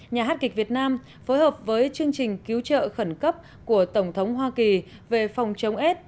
nhà hát kịch việt nam phối hợp với chương trình cứu trợ khẩn cấp của tổng thống hoa kỳ về phòng chống s